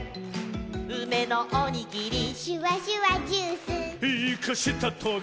「うめのおにぎり」「シュワシュワジュース」「イカしたトゲ」